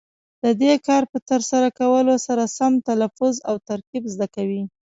د دې کار په ترسره کولو سره سم تلفظ او ترکیب زده کوي.